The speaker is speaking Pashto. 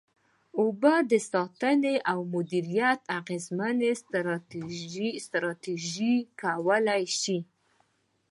د اوبو د ساتنې او مدیریت اغیزمنې ستراتیژۍ کولای شي.